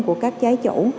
của các trái chủ